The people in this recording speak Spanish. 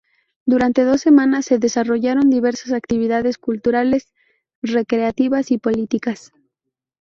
Durante dos semanas se desarrollaron diversas actividades culturales, recreativas y políticas.